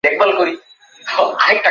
শুধু তাকিয়ে থাকতে ইচ্ছে হয়।